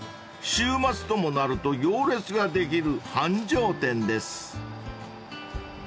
［週末ともなると行列ができる繁盛店です］